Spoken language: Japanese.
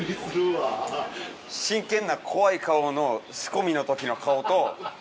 真剣な怖い顔の仕込みの時の顔と。